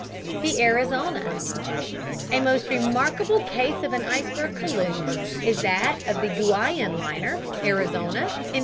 THE ARIZONA A most remarkable case of an iceberg collision is that of the Guion Liner, Arizona, in 1879.